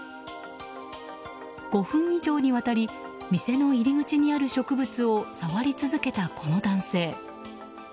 ５分以上にわたり店の入り口にある植物を触り続けたこの男性。